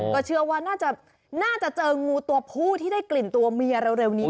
ก็เชื่อว่าน่าจะเจองูตัวผู้ที่ได้กลิ่นตัวเมียเร็วนี้